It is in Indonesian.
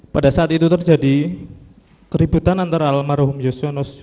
pada saat itu terjadi keributan antara almarhum yosua nofrian sohayoso the barat